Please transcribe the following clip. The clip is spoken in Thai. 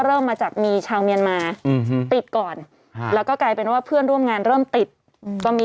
เริ่มมาจากมีเช้าเมียเมียนมาปลูกก่อนแล้วก็กลายเป็นว่าพูดลงกันเริ่มติดก็มี